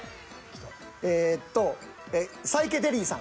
えっとサイケ・デリーさん。